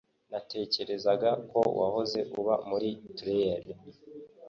Natekerezaga ko wahoze uba muri trailer.